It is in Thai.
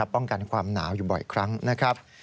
ป้องกันความหนาวอยู่บ่อยครั้งนะครับ